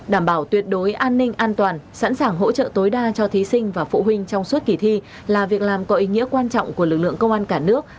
đảm bảo tuyệt đối an ninh an toàn sẵn sàng hỗ trợ tối đa cho thí sinh và phụ huynh trong suốt kỳ thi là việc làm có ý nghĩa quan trọng của lực lượng công an cả nước